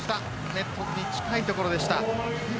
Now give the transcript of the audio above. ネットに近い所でした。